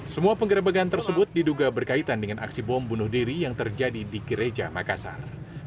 semua penggerebegan tersebut diduga berkaitan dengan aksi bom bunuh diri yang terjadi di gereja makassar